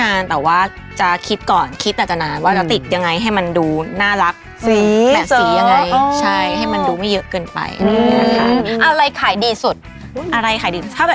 อือว่าเราส่งเขาตลอดอยู่แล้วส่งเขาก็ไปขายส่งอีกทีนึงอ๋อ